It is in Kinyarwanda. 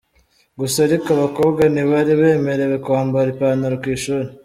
Gusa ariko abakobwa ntibari bemerewe kwambara ipantalo ku ishuri.